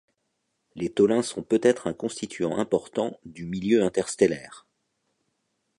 Les tholins sont peut-être un constituant important du milieu interstellaire.